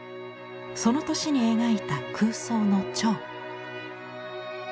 その年に描いた空想の蝶。